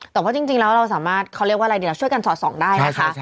แต่ว่าจริงแล้วเราสามารถเขาเรียกว่าอะไรดีเราช่วยกันสอดส่องได้นะคะ